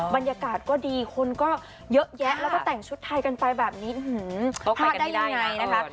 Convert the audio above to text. บรรยากาศก็ดีคนก็เยอะแยะแล้วก็แต่งชุดไทยกันไปแบบนี้พลาดได้ยังไงนะคะ